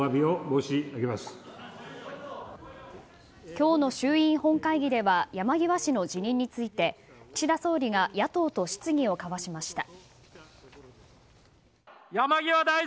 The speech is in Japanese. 今日の衆院本会議では山際氏の辞任について岸田総理が野党と質疑を交わしました。